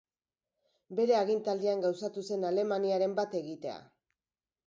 Bere agintaldian gauzatu zen Alemaniaren bat-egitea.